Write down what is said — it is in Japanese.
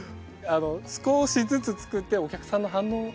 少しずつつくってお客さんの反応を。